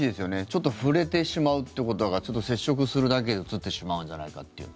ちょっと触れてしまうということが接触するだけでうつってしまうんじゃないかという。